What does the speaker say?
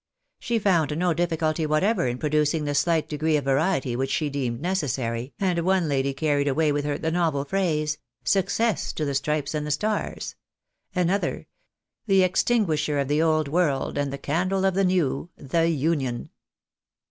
She found no difSculty whatever in producing the shght degree of variety which she deemed necessary, and one lady carried away with her the novel phrase — Success to the Stripes and the Stars ! another — The extinguisher of the Old World and the candle of the New !— THE UNION.